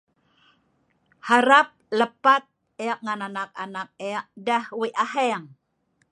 harap lepat ek ngan anak anak ek weik aheng.